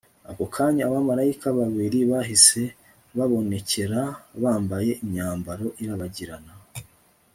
Ako kanya abamarayika babiri bahise bababonekera bambaye imyambaro irabagirana